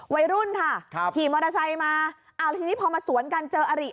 วัยรุ่นค่ะครับขี่มอเตอร์ไซค์มาอ่าทีนี้พอมาสวนกันเจออริ